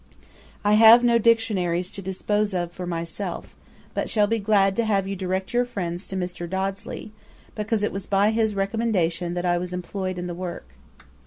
'I have no Dictionaries to dispose of for myself, but shall be glad to have you direct your friends to Mr. Dodsley, because it was by his recommendation that I was employed in the work.